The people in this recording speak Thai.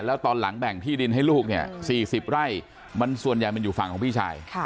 แล้วตอนหลังแบ่งที่ดินให้ลูกเนี่ย๔๐ไร่มันส่วนใหญ่มันอยู่ฝั่งของพี่ชาย